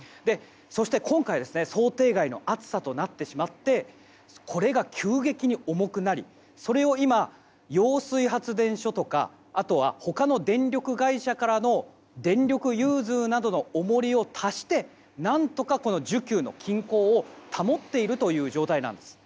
そして今回想定外の暑さとなってしまってこれが急激に重くなりそれを今、揚水発電所とかあとは他の電力会社からの電力融通などの重りを足して何とか需給の均衡を保っているという状態なんです。